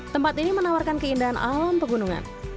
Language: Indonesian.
tempat ini menawarkan keindahan alam pegunungan